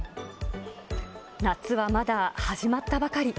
夏はまだ始まったばかり。